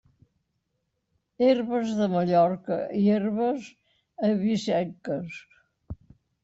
Herbes de Mallorca i Herbes Eivissenques.